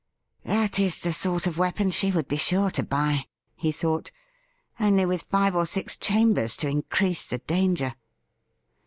' That is the sort of weapon she would be sure to buy,' he thought —' only with five or six chambers to increase the danger.'